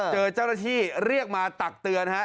เจ้าหน้าที่เรียกมาตักเตือนฮะ